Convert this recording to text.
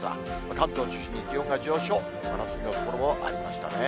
関東を中心に気温が上昇、真夏日の所もありましたね。